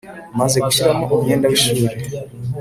. Maze gushyiramo umwenda w’ishuri